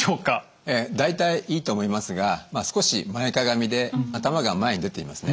ええ大体いいと思いますが少し前かがみで頭が前に出ていますね。